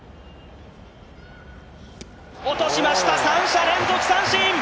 落としました、３者連続三振！